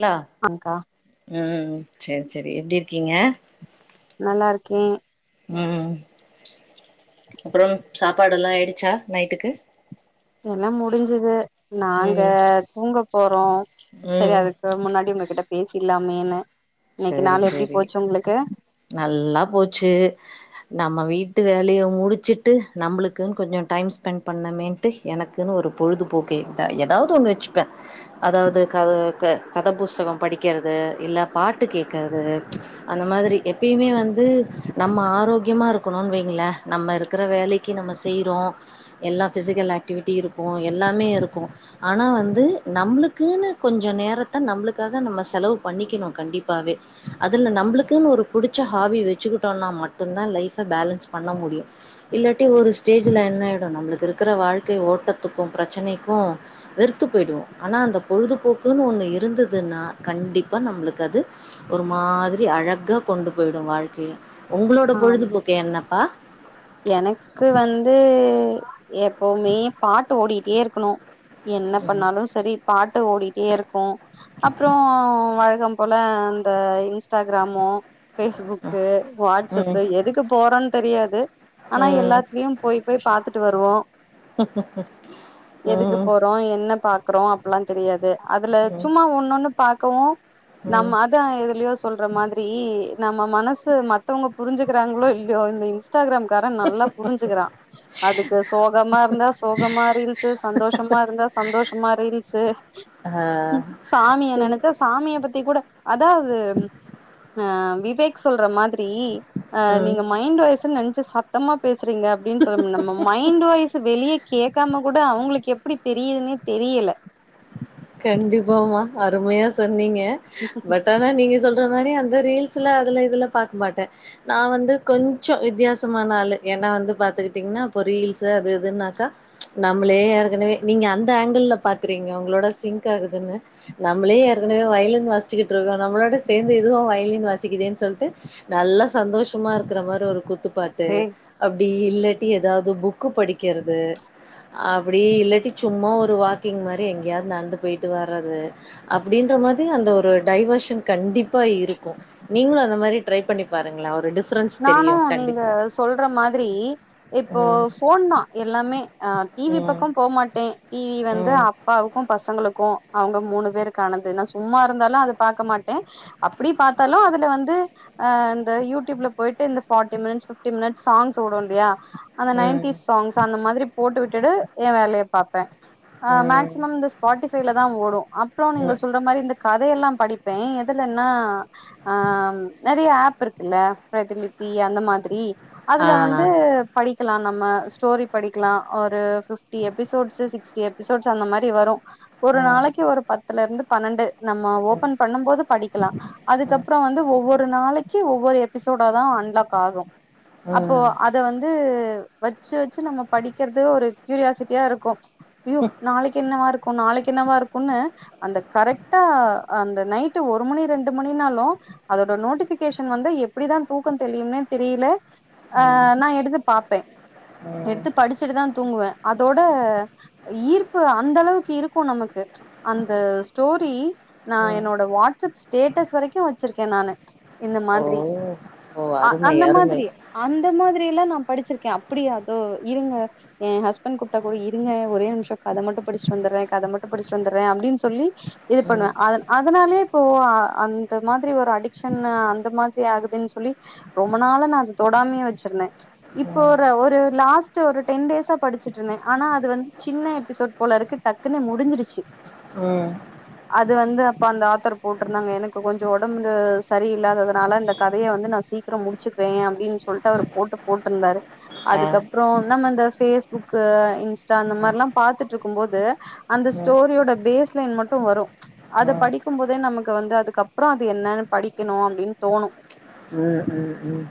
இலா அம்க்கா ம் சேர் சேரி எப்டி இருக்கீங்க நல்லாருக்கே ம் அப்பறோ சாப்பாடல்லா ஆயிடுச்சா நைட்டுக்கு எல்லா முடிஞ்சுது நாங்க ம் தூங்க போறோ சேரி ம் அதுக் கு முன்னாடி உங்ககிட்ட பேசிட்லாமேன்னு இன்னிக்கு சேரி நாளு எப்டி சேரி போச்சு உங்ளுக்கு நல்லா போச்சு நம்ம வீட்டு வேலைய முடிச்சிட்டு நம்புளுக்குன்னு கொஞ்சொ டைம் ஸ்பெண் பண்ணமே ட்டு எனக்குன்னு ஒரு பொழுதுபோக்கே ஏதாவது ஒண்ணு வச்சுப்பெ அதாவ்து கத க கதபுஸ்தகம் படிக்கிறது இல்ல பாட்டு கேக்கறது அந்த மாதிரி எப்பயுமே வந்து நம்ம ஆரோக்கியமா இருக்கணுன்னு வைங்களே நம்ம இருக்குற வேலைக் க்கி நம்ம செய்றோ எல்லா ஃபிசிக்கல் ஆக்டிவிட்டி இருக்கூ எல்லாமே இருக்கூ ஆனா வந்து நம்முளுக்குன்னு கொஞ்சொ நேரத்த நம்பளுக்காக நம்ம செலவு பண்ணிகிணு கண்டிப்பாவே அதுல நம்மளுக்குன்னு ஒரு புடிச்ச ஹாபி வச்சுக்கிட்டோன்னா மட்டுந்தா லைஃப பேலன்ஸ் பண்ண முடியு இல்லாட்டி ஒரு ஸ்டேஜில என்னாயிடு நம்மளுக்கு இருக்குற வாழ்க்கை ஓட்டத்துக்கூ பிரச்சனைக்கூ வெறுத்துபோய்டுவோ ஆன்னா அந்த பொழுது போக்குன்னு ஒண்ணு இருந்ததுன்னா கண்டிப்பா நம்ப்ளுக் க்கது ஒரு மாதிரி அழகா கொண்டுபோயிடு வாழ்க்கிய உங்களோட ஆமா பொழுதுபோக்கு என்ன ஆ எனக்கு வந்து எப்போமே பாட்டு ஓடிட்டே இருக்குணு என்ன பண்ணாலு செரி பாட்டு ஓடிட்டேருக்கு அப்றொ வழகம் போல அந்த இன்ஸ்டாகிராமு பேஸ்புக்கு வாட்ஸ் அப் ம் எதுக்கு போறோன் தெரியாது ஆன்னா ம் எல்லாத்லியு போய் போய் பாத்துட்டு வருவோ எதுக்கு ம் போறோ என்ன பாக்குறோ அப் ல்லா தெரியாது அதுல ம் சும்மா ஒன்னொண்ணு பாக்கவு ம் நம்ம அத் தா எதுலியோ சொல்ற மாதிரி நம்மமனசு மத்தவங்க புரிஞ்சுக்கிறாங்களோ இல்லியோ இந்த இன்ஸ்டாகிராம் கார நல்லா புரிஞ்சுக்குறா அதுக்கு சோகமாருந்தா சோகமா ரீல்ஸ்ஸு சந்தோஷமாருந்தா சந்தோஷமா ரீல்ஸ்ஸு ஆ சாமிய சரி நெனைத்த சாமிய பத்தி கூட அதா அது அ விவேக் சொல்றமாதிரி அ ம் நீங்க மைண்ட் வாயஸ்ன்னு நெனச்சு சத் சத்தமா பேசுறீங்க அப்டின்னு சொல்ல நம்ம மைண்ட் வாய்ஸ் வெளியே கேட்காம கூட அவுங்களுக்கு எ ப்டி தெரியுதுன்னே தெரியல கண்டிப்பாமா அருமையா சொன்னீங்க பட் ஆ னா நீங்க சொல்ற மாரி அந்த ரீல்ஸ்ல அதுல இதுல பாக்க மாட்டே நா வந்து கொஞ்சோ வித்தியாசமான ஆளு ஏன்னா வந்து பாத்துக்கிட்டீங்கன்னா இப்போ ரீல்ஸ் அது எதுனாக்கா நம்மளே ஏற்கனவே நீங்க அந்த ஆங்கிள்ல பாக்குறீங்க உங்களோட சிங்க் ஆகுதுன்னு நம்மளே ஏற்கனவே வயலின் வசிச்சுக்கிட்டு இருக்கோ நம்மளோட சேந்து இதுவு வயலின் வாசிக்குதேன்னு சொல்லுட்டு நல்ல சந்தோஷமா இருக்குற மாரி ஒரு குத்துப்பாட் டு ஏய் அப்டி இல்லாட்டி ஏதாவது புக்கு படிக்கிறது அப்டி இல்லாட்டி சும்மா ஒரு வாக்கிங் மாரி எங்கேயாவது நடந்து போய்ட்டு வர்றது அப்டின்ற மாரி அந்த ஒரு டைவர்ஷன் கண்டிப்பா இருக்கு நீங்களு அந்த மாரி ட்ரை பண்ணி பாருங்களே ஒரு ட்ரி நானு நீங்க சொல்ற மாதிரி இப்போ ம், ஃபோன் தா எல்லாமே அ டிவி ம், பக்கோ போமாட்டே டி வி வந்து ம், அப்பாவுக்கு பசங்களுக்கு அவங்க மூணு பேருக்கு ஆனது நா சும்மா இருந்தாலு அது பாக்க மாட்டே அப்டி பாத்தாலு அதுல வந்து அ இந்த யூ டியூப்ல போயிட்டு இந்த forty minutes, fifty minute songs ஓடுல்லயா அந்த ம், ம், நைன்டிஸ் சாங்ஸ் அந்த மாதிரி போட்டு விட்டுட்டு எ வேலய பாப்பே அ மேக்சிமம் ம். இந்த ஸ்பாட்டிபைல தா ஓடோ அப்றோ நீங்க சொல்ற மாரி இந்த கதையெல்லா படிப்பே எதுலனா ஆ நெறைய அப் இருக்குல்ல பிரதிலிபி அந்த மாதிரி அதுல வந்து ஆ. படிக்கலா நம்ம ஸ்டோரி படிக்கலா ஒரு பிப்டி எபிசோட்ஸ் சிக்ஸ்டி எபிசோட்ஸ் அந்த மாரி வரு ஒரு ம், நாளைக்கு ஒரு பத்துலருந்து பன்னெண்டு நம்ம ம், ஓபன் பண்ணு போது படிக்கலா ம், ம், அதுக்கப்றோ வந்து ஒவ்வொரு நாளைக்கி ஒவ்வொரு எபிசோட தா அன்லாக் ஆகோ அப்போ அத் அத வந்து வச்சு வச்சு நம்ம படிக்கிறது ஒரு க்யூரியாசிட்டியா இருக்கு ஐயோ நாளைக்கு என்னவா இருக்கு நாளைக்கு என்னவா இருக்குன்னு அந்த கரெக்டா அந்த நைட்டு ஒரு மணி ரெண்டு மணினாலு அதோட நோட்டிபிகேஷன் வந்தா எப் பிடிதா தூக்கோ தெளியும்னே தெரியல ம், ம், நா எடுத்து பாப்பே ம். எடுத்து படி ச்சிட்டு தா தூங்குவே அதோட ஈர்ப்பு அந்த அளவுக்கு இருக்கோ நமக்கு அந்த ஸ்டோரி நா என்னோட வாட்ஸ்அப் ஸ்டேட்டஸ் வரைக்கு வச்சிருக்கே நானு இந்த ஓ! மாதிரி ஓ! ஆ அருமை, அந்த அருமை. மாதிரி அந்த மாதிரியெல்லா நா படிச்சிருக்கே அப்படியாதோ இருங்க எ ஹஸ்பண்ட் குப்பிட்டா கூட இருங்க ஒரே நிமிஷோ கத மட்டு படிச்சுட்டு வந்துரே கத மட்டு படிச்சிட்டு வந்துடுறே அப்டின்னு சொல்லி இது ம், பண்ணுவே அதஅதனாலயே இப்போ அந்த மாதிரி ஒரு அடிக்கஷன் அந்த மாதி ரி ஆகுதுன்னு சொல்லி ரொம்ப நாள நா அத தொடாமையே வச்சிருந்தே இப்போ ம், ஒரு ஒரு லாஸ்ட் ஒரு டென் டேஸா படிச்சுட்டு தே ஆனா அது வந்து சின்ன எபிசோட் போல இருக்கு டக்குன்னு முடிஞ்சிருச்சு ஆ அது வந்து அப்ப அந்த ஆத்தர் போட்டிருந்தாங்க எனக்கு கொஞ்சோ ஓடம்பு சரியில்ல்லாததுனால இந்த கதய வந்து நா சீக்கிறோ முடிச்சுக்கிறே அப்டின்னு சொல்லிட்டு அவர் போட்டு போட்டிருந்தாரு ஆ. அதுக்கப்ற அப்றோ நம்ம இந்த போஸ்புக் இன்ஸ்டா இந்த மாதிரில்லா பாத்துட்டு இருக்கு போது அந்த ம், ஸ்டோரியோட பேஸ் லைன் மட்டு வறோ அத ம். படிக்கும்போது அது நமக்கு வந்து அதுக்கப்புறோ அது என்னன்னு படிக்கணு அப்படின்னு தோணு ம் ம் ம்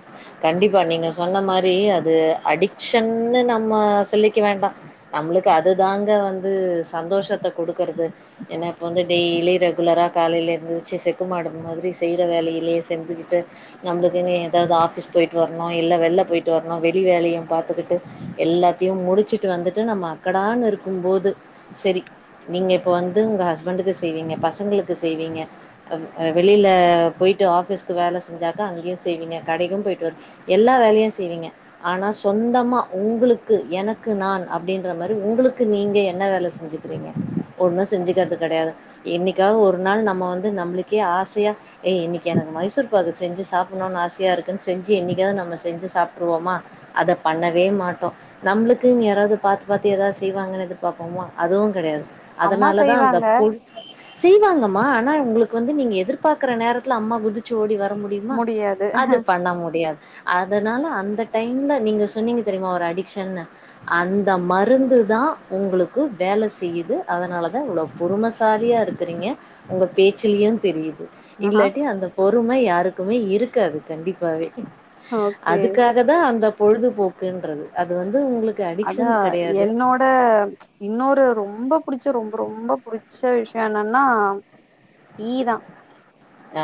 கண்டிப்பா நீங்க சொன்ன மாரி அது அடிக்க்ஷன்னு நம்ம சொல்லிக்க வேண்டா நம்மளுக்கு அதுதாங்க வந்து சந்தோஷத்த குடுக்குறது ஏன்னா இப்போ வந்து டெய்லி ரெகுலராக காலையில எந்துருச்சு செக்கு மாடு மாதிரி செய்ற வேலையிலயே செஞ்சுகிட்டு நம்மளுக்குன்னு ஏதாவது ஆஃபீஸ் போயிட்டு வர்ணு இல்ல வெளில போயிட்டு வர்ணு வெளி வேலையையு பாத்துக்கிட்டு எல்லாத்தையு முடிச்சுட்டு வந்துட்டு நம்ம அக்கடான்னு இருக்கும்போது செரி நீங்க இப்ப வந்து உங்க ஹஸ்பண்டுக்கு செய்வீங்க பசங்களுக்கு செய்வீங்க வெளில போயிட்டு ஆஃபிஸ்க்கு வேல செஞ்சாக்கா அங்கேயு செய்வீங்க கடைக்கு போயிட்டு வரு எல்லா வேலையு செய்வீங்க ஆனா சொந்தமா உங்களுக்கு எனக்கு நான் அப்படின்ற மாரி உங்களுக்கு நீங்க என்ன வேல செஞ்சு கிறீங்க ஒண்ணு செஞ்சுக்கிறது கெடயாது என்னிக்காது ஒரு நாள் நம்ம வந்து நம்மளுக்கே ஆசையா ஏ இன்னிக்கி எனக்கு மைசூர் இப்ப அது செஞ்சு சாப்பிட்ணுனு ஆசைய இருக்குன்னு செஞ்சு என்னைக்காது நம்ம செஞ்சு சாப்பிட்டுருவோமா அத பண்ணவே மாட்டோ நம்மளுக்கு யாராவது பாத்து பாத்து ஏதாவது செய்வாங்கன்னு எதிர் பாப்போமோ அதுவு கெடையாது அம்மா அதனால தா அந்த செய்வாங்க பொல் செய்வாங்கம்மா ஆனா உங்களுக்கு வந்து நீங்க எதிர்பாக்கற நேரத்துல அம்மா குதிச்சு ஓடி வர முடியுமா முடியாது அது பண்ண முடியாது அதனால அந்த டைம்ல நீங்க சொன்னீங்க தெரியுமா ஒரு அடிக்க்ஷன்னு அந்த மருந்து தா உங்களுக்கு வேல செய்யுது அதனால தா இவ்ளோ பொறுமசாலியா இருக்குறீங்க உங்க பேச்சுலயு தெரியுது ஆஹா இல்லாட்டி அந்த பொறும யாருக்குமே இருக்காது கண்டிப்பாவே அதுக்கா ஓகே அதுக்காக தா அந்த பொழுதுபோக்குன்றது அது வந்து உங்களுக்கு அடிக்க்ஷன் கெடையாது இப்ப இன்னொரு ரொம்ப புடிச்ச ரொம்ப ரொம்ப புடிச்ச விஷயோ என்னன்னா டீ தா ஆ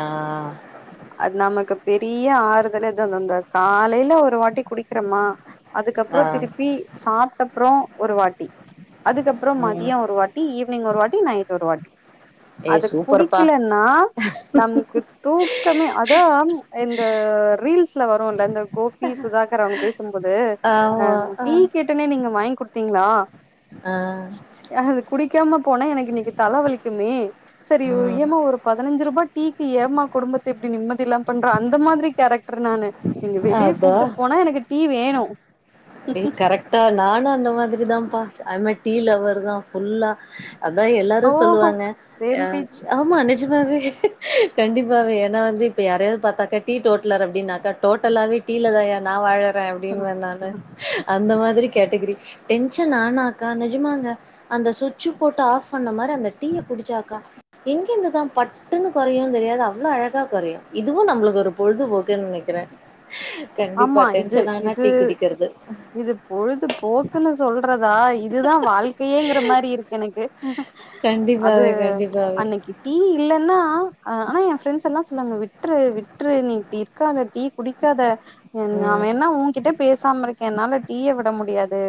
அது நமக்கு பெரிய ஆறுதலே அதுந்தந்த காலையில ஒரு வாட்டி குடிக்கிறமா ஆ அதுக்கப்புறோ திருப்பி சாப்பிட்ட அப்றோ ஒரு வாட்டி அதுக்கப்புறோ ம் மதியோ ஒரு வாட்டி டீ ஈவினிங் ஒரு வாட்டி நைட் ஒரு வாட்டி ஏய் அது சூப்பர்ப்பா குடிக்கலன்னா நமக்கு தூ தூக்கமே அதா இந்த ரீல்ஸ்ல வரு இல்ல இந்த கோபி சுதாகர் அவங்க பேசும்போது அ ஆமா டீ கேட்டனே நீங்க வாங்கி குடுத்தீங்களா ஆ ஆ அத குடிக்காம போனா எனக்கு இன்னிக்கி தல வலிக்குமே செரி ம் ஏம்மா ஒரு பதினஞ்சு ரூபா டீ க்கி ஏம்மா குடும்பத்த இப்டி நிம்மதி இல்லாம பண்ற அந்த மாதிரி கேரக்டர் நானு நீங்க வெளியே அதா கூட்டு போனா எனக்கு டீ வேணு அப்டியே கரெக்டா நானு அந்த மாதிரி தான்ப்பா அது மாதிரி டீ லவர் தா ஃபுல்லா அதா எல்லாரு ஓஹோ சொல்லுவாங்க ஆ சேம் பிச் ஆமா நெஜமாவே கண்டிப்பாவே ஏன்னா வந்து இப்ப யாரையாவது பாத்தாக்கா டீ டோட்டலர் அப்டின்னாக்க டோட்டல டீ யில தாயா நா வாழ ற அப்டின்னுவே நானு அந்த மாதிரி கேட்டகிரி டென்ஷன் ஆனாக்கா நெஜமாங்க அந்த சுவிட்சு போட்டு ஆப் பண்ண மாரி அந்த டீய குடிச்சாக்கா எங்கிருந்துதா பட் பட்டுன்னு கொறையு தெரியாது அவ்ளோ அழகா கொறையு இதுவு நம்மளுக்கு ஒரு பொழுதுபோக்குன்னு நெனைக்கிறே கண்டிப்பா ஆமா இது டென்ஷனானா இது டீ குடிக்கிறது இது பொழுது போக்குன்னு சொல்றதா இதுதா வாழ்க்கையேங்கிற மாரி இருக்கு எனக்கு அது கண்டிப்பாவே கண்டிப்பாவே அன்னைக்கு டீ இல்லனா ஆனா ஏ ஃப்ரெண்ட்ஸ் எல்லா சொல்லுவாங்க விட்ரு விட்ரு நீ இப்டி இருக்காத டீ குடிக்காத நா ம் வேனா ஓங்கிட்ட பேசாம இருக்கே என்னால டீய விட முடியாது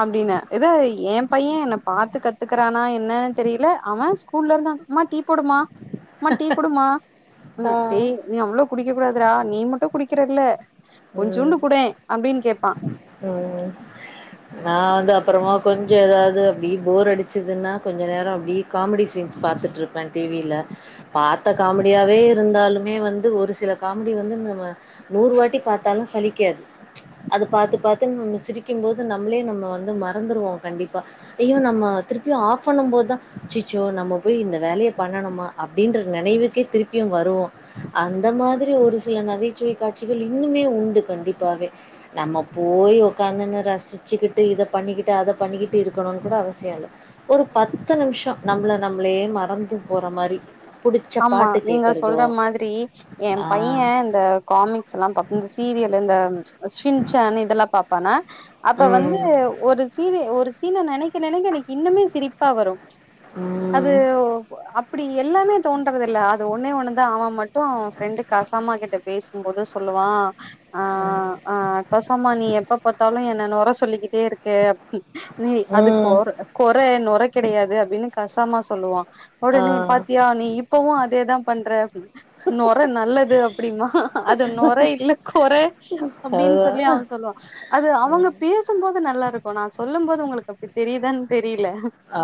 அப்டின்னே எத ஏ பையே என்ன பாத்து கத்துக்குறானா என்னனு தெரியல அவ ஸ்கூல்ல இருந்தா அம்மா டீ குடுமா அம்மா டீ குடுமா ஆ டேய் நீ அவ்ளோ குடிக்க கூடாதுடா நீ மட்டு குடிக் கிறல்ல ம் கொஞ்சோண்டு கூடே அப்டினு கேப்பா ம் நா வந்து அப்பறமா கொஞ்சோ ஏதாவது அப்டியே போர் அடிச்சிதுன்னா கொஞ்ச நேரோ அப்டி காமெடி சீன்ஸ் பாத்துட்ருப்பே டி வி யில பாத்த காமெடியாவே இருந்தாலுமே வந்து ஒரு சில காமெடி வந்து நம்ம நூறு வாட்டி பாத் தாலு சலிக்காது அத பாத்து பாத்து நம்ம சிரிக்கும்போது நம்மளே நம்ம வந்து மறந்துருவோ கண்டிப்பா ஐயோ நம்ம திருப்பியு ஆஃப் பண்ணும் போதுதா அச்சச்சோ நம்ம போயி இந்த வேலய பண்ணனுமா அப்படின்ற நெனைவுக்கே திருப்பியு வருவோ அந்த மாதிரி ஒரு சில நகைச்சுவை காட்சிகள் இன்னுமே உண்டு கண்டிப்பாவே நம்ம போயி ஒக்காந்து [unintelligible] ரசிச் சுக்கிட்டு இத பண்ணிக்கிட்டு அத பண்ணிக்கிட்டு இருக்கணும்னு கூட அவசியோ இல்ல ஒரு பத்து நிம்ஷோ நம்மள நம்ளே மறந்து போற மாரி புடிச்ச ஆமா பாட்டு நீங்க கேட்கறதோ, சொல்ற மாதிரி ஏ ஆ, பையே இந்த காமிக்ஸ் எல்லா தப்பு இந்த சீரியலு இந்த சிங்சான் இதெல்லா பாப்பான ஆ. அப்ப வந்து ம், ஒரு சீன ஒரு சீனை நெனைக்க நெனைக்க என்க்கு இன்னுமே சிரிப்பா வரு ம் அது ஒ அப்டி எல்லாமே தோன்றது இல்ல அது ஒன்னே ஒன்னுதா அவன் மட்டும் அவன் ஃப்ரெண்டு கசாமா கிட்ட பேசும்போது சொல்லுவா ஆ ஆ கசாமா நீ எப்ப பாத்தாலு என்ன நொற சொல்லிக்கிட்டே இருக்கு அப்ட நீ அது கொ ம், கொற நொற கிடையாது அப்படின்னு கசாம சொல்லுவா ஆ, உடனே பாத்தியா நீ இப்பவு அதேதா பண்ற அப்டினு நொற நல்லது அப்டிம்பா அது நொற இல்ல கொற அப்டின் அதுதான். சொல்லி அவ சொல்லுவா அது அவங்க பே சும்போது நல்லா இருக்கு நா சொல்லும் போது உங்களுக்கு அப்டி தெரியுதானு தெரியல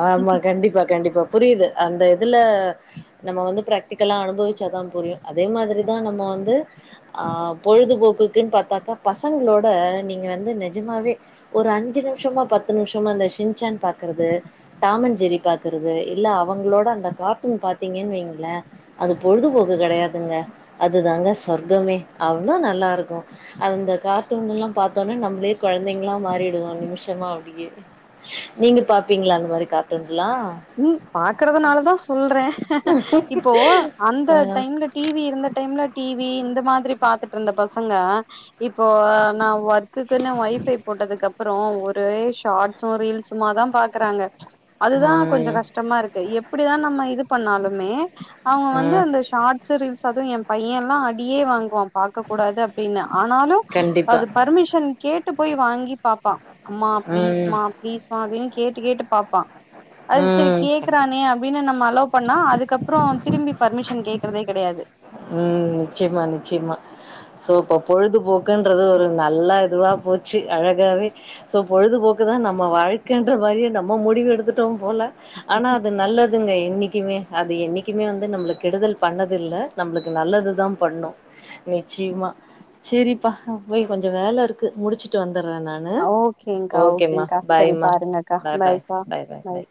ஆமா கண்டிப்பா கண்டிப்பா புரியுது அந்த இதுல நம்ம வந்து ப்ராக்டிகலா அனுபவிச்சாதா புரியு அதே மாதிரிதா நம்ம வந்து ஆ பொழுதுபோக்குக்குன்னு பாத்தாக்கா பசங்களோட நீங்க வந்து நிஜமாவே ஒரு அஞ்சு நிமிஷமா பத்து நிமிஷமா இந்த ஷின்சான் பாக்குறது டாமன் ஜெரி பாக்குறது இல்ல அவங்களோட அந்த கார்ட்டூன் பார்த்தீங்கன்னு வைங்களே அது பொழுதுபோக்கு கெடையாதுங்க அதுதாங்க சொர்க்கமே அவ்ளோ நல்லா இருக்கு அந்த கார்ட்டூன் எல்லா பாத்தோம்னா நம்மளயே கொழந்தைங்களா மாறிடுவோ நிமிஷமா அப்டியே நீங்க பாப்பீங்களா அந்த மாரி கார்டூன்ஸ்லா ம் பாக்குறதுனாலதா சொல்றே இப்போ அந்த ஆ டைம்ல டி வி இருந்த டைம்ல டி வி இந்த மாதிரி பாத்துட்டு இருந்த பசங்க இப்போ நா ஒர்க் குக்குன்னு ஒய்ஃபை போட்டதுக்கு அப்புறோ ஒரே ஷார்ட்ஸு ரீல்ஸுமாதா பாக்குறாங்க அதுதா கொஞ்சோ ம் கஷ்டமா இருக்கு எப்படிதா நம்ம இது பண்ணாலுமே அவுங்க வந்து ம் அந்த ஷார்ட் ஷார்ஸு ரீல்ஸு அதுவு ஏ பையெல்லா அடியே வாங்குவா பாக்க கூடாது அப்டின்னு ஆனாலு கண்டிப்பா அது பர்மிஷன் கேட்டு போய் வாங்கி பாப்பா அம்மா ம் ப்ளீஸ்மா ப்ளீஸ் மா அப்டின் கேட்டு கேட்டு பாப்பா அது சரி ம் கேக்குறானே அப்டின்னு நம்ம அலோ பண்ணா அதுக்கப்புறோ திரும்பி பர்மிஷன் கேக்குறதே கெடையாது ம் நிச்சியமா நிச்சியமா சோ இப்ப பொழுதுபோக்குன்றது ஒரு நல்லா இதுவா போச்சு அழகாவே சோ பொழுதுபோக்குதா நம்ம வாழ்க்கைன்ற மாரியே நம்ம முடிவு எடுத்துட்டோ போல ஆனா அது நல்லதுங்க என்னைக்குமே அது என்னைக்குமே வந்து நம்மள கெடுதல் பண்ணதில்ல நம்மளுக்கு நல்லது தா பண்ணு நிச்சியமா செரிப்பா ஆ போய் கொஞ்சோ வேல இருக்கு முடிச்சுட்டு வந்துடுறே நா னு ஓகேங்க்கா ஓக்கேமா ஓகேங்க்கா சரி பாய்மா பாருங்கக்கா பாய் பாய் பாய்க்கா பாய் பாய் பாய்